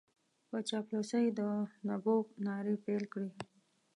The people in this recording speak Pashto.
په چاپلوسۍ د نبوغ نارې پېل کړې.